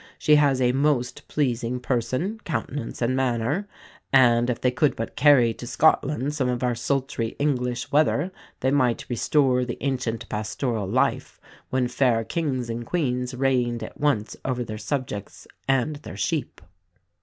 She has a most pleasing person, countenance and manner; and if they could but carry to Scotland some of our sultry English weather, they might restore the ancient pastoral life, when fair kings and queens reigned at once over their subjects and their sheep."